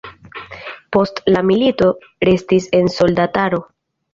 Post la milito restis en soldataro.